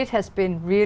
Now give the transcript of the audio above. rất dễ dàng